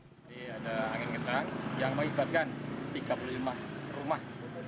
ada angin kencang yang mengibatkan tiga puluh lima rumah